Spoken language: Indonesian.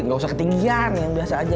gak usah ketinggian yang biasa aja